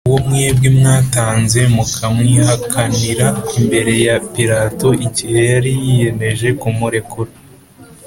uwo mwebwe mwatanze e mukamwihakanira imbere ya Pilato igihe yari yiyemeje kumurekura